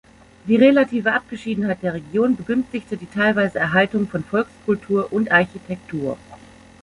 Die relative Abgeschiedenheit der Region begünstigte die teilweise Erhaltung von Volkskultur und -architektur.